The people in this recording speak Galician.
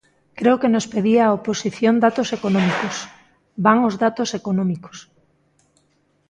Creo que nos pedía a oposición datos económicos; van os datos económicos.